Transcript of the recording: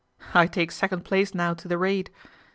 " I take second place now to the raid.